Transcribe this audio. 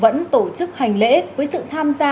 vẫn tổ chức hành lễ với sự tham gia